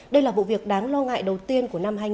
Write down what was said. đây là vụ việc đáng lo ngại đầu tiên của năm hai nghìn hai mươi